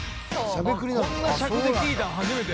こんな尺で聴いたの初めて。